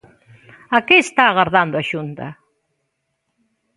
A que está agardando a Xunta?